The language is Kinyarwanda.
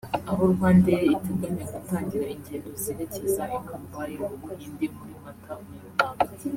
aho RwandAir iteganya gutangira ingendo zerekeza I Mumbai mu Buhinde muri Mata uyu mwaka